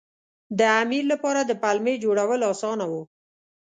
د امیر لپاره د پلمې جوړول اسانه وو.